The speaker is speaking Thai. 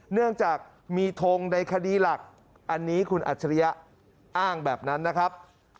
เนื่องจากมีทงในคดีหลักอันนี้คุณอัจฉริยะอ้างแบบนั้นนะครับ